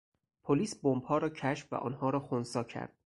پلیس بمبها را کشف و آنها را خنثی کرد.